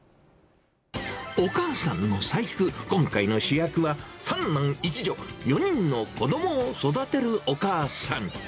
お母さんの財布、今回の主役は、３男１女、４人の子どもを育てるお母さん。